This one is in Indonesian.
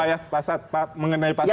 pak ayas mengenai pasal dua puluh delapan